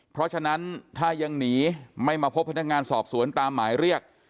เพราะฉะนั้นถ้ายังหนีไม่มาพบพนักงานสอบสวนตามหมายเรียก